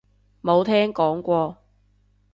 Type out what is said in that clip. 冇聽講過